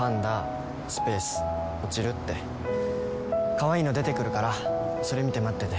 「カワイイの出てくるからそれ見て待ってて」